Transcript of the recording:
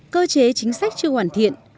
cơ chế chính sách chưa hoàn thiện